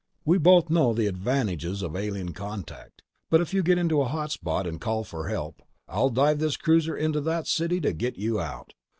We both know the advantages of an alien contact. But if you get into a hot spot, and call for help, I'll dive this cruiser into that city to get you out!"